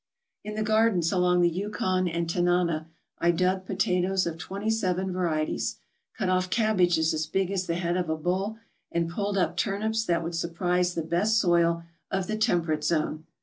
In the gardens along the Yukon and Tanana I dug potatoes of twenty seven varieties, cut off cabbages as big as the head of a bull, and pulled up turnips that would surprise the best soil of the Temperate Zone.